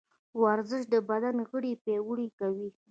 ورزش د بدن غړي پیاوړي کوي.